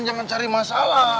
jangan cari masalah